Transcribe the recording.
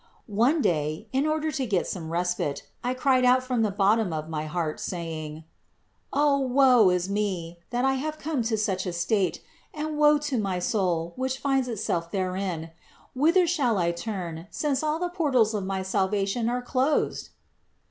11. One day, in order to get some respite, I cried out from the bottom of my heart saying : "O woe is me, that I have come to such a state! and woe to my soul, which finds itself therein! Whither shall I turn, since all the portals of my salvation are closed?"